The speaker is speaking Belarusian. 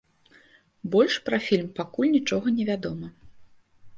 Больш пра фільм пакуль нічога не вядома.